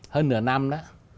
hơn nửa năm đó